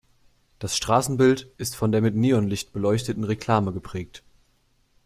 Das Straßenbild ist von der mit Neonlicht beleuchteten Reklame geprägt.